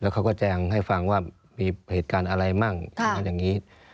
เขาก็แจงให้ฟังว่ามีเหตุการณ์อะไรมั่งตรงนั้นอย่างนี้